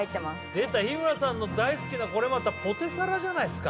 出た日村さんが大好きなポテサラじゃないですか？